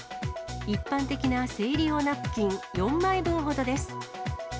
一般的な生理用ナプキン４枚分ほどです。